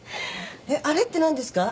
あれって何ですか？